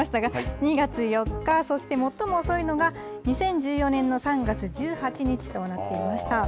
２月４日、そして最も遅いのが２０１４年の３月１８日となっていました。